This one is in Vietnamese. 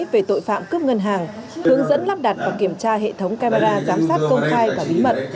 về tội phạm cướp ngân hàng hướng dẫn lắp đặt và kiểm tra hệ thống camera giám sát công khai và bí mật